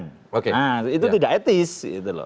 nah itu tidak etis gitu loh